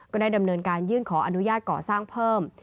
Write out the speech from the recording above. ได้ดำเนินการยื่นขออนุญาตก่อสร้างเพิ่ม